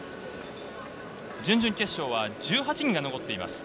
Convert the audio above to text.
準々決勝は１８人が残っています。